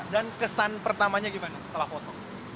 dan kesan pertamanya gimana setelah foto